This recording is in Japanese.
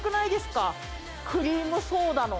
クリームソーダの。